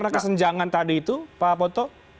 kesenjangan tadi itu pak foto